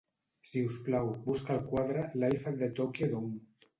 Si us plau, busca el quadre "Live at the Tokyo Dome".